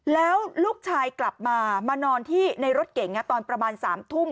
แล้วลูกชายกลับมามานอนที่ในรถเก่งตอนประมาณ๓ทุ่ม